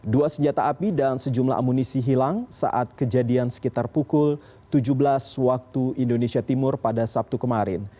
dua senjata api dan sejumlah amunisi hilang saat kejadian sekitar pukul tujuh belas waktu indonesia timur pada sabtu kemarin